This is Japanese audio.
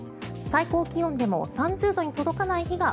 最高気温でも３０度に届かない日が